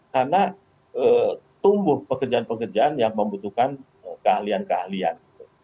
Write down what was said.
karena tumbuh pekerjaan pekerjaan yang membutuhkan keahlian keahlian